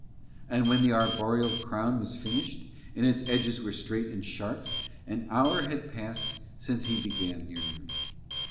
And when the arboreal crown was finished, and its edges were straight and sharp, an hour had passed since he began near noon.